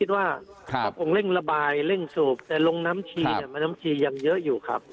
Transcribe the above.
คิดว่าคงเร่งระบายเร่งสูบแต่ลงน้ำชีมีน้ำชียังเยอะอยู่ครับ